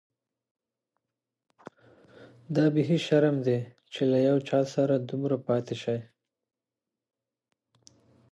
دا بيخي شرم دی چي له یو چا سره دومره پاتې شې.